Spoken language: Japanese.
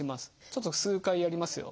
ちょっと数回やりますよ。